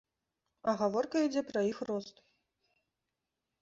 А гаворка ідзе пра іх рост!